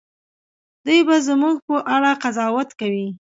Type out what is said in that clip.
دوی به زموږ په اړه قضاوت کوي.